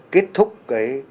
kết thúc cái